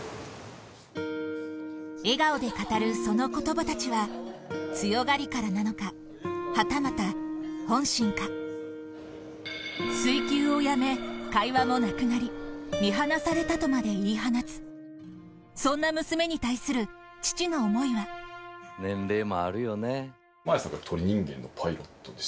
笑顔で語るその言葉たちは強がりからなのかはたまた本心か水球をやめ会話もなくなり見放されたとまで言い放つそんな娘に対する父の思いは年齢もあるよね。